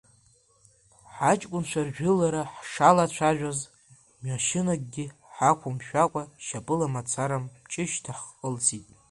Ҳаҷкәынцәа ржәылара ҳшалацәажәоз, машьынакгьы ҳақәымшәакәа, шьапыла мацара Мҷышьҭа ҳкылсит.